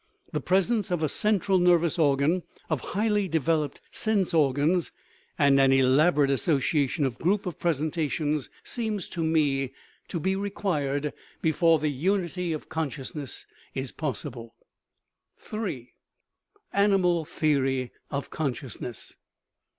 The presence of a central nervous organ, of highly developed sense organs, and an elaborate association of groups of presentations, THE RIDDLE OF THE UNIVERSE seem to me to be required before the unity of conscious ness is possible. III. Animal theory of consciousness.